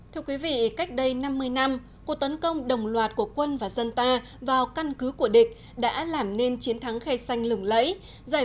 thưa quý vị cách đây năm mươi năm cuộc tấn công đồng loạt của quân và dân ta vào căn cứ của địch đã làm nên chiến thắng khay xanh lửng lẫy